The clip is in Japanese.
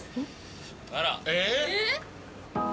えっ？